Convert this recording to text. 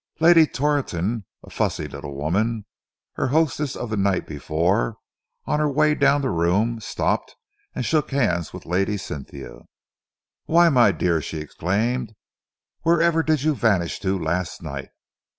Lady Torrington, a fussy little woman, her hostess of the night before, on her way down the room stopped and shook hands with Lady Cynthia. "Why, my dear," she exclaimed, "wherever did you vanish to last night?